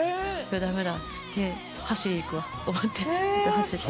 ダメだっつって走り行くわと思って走ったり。